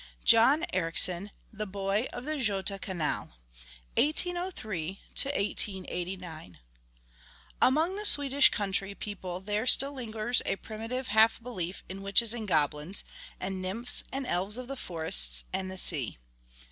VII John Ericsson The Boy of the Göta Canal: 1803 1889 Among the Swedish country people there still lingers a primitive half belief in witches and goblins, and nymphs and elves of the forests and the sea.